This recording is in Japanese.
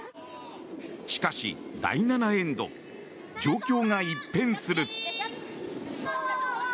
しかし、第７エンド状況が一変する。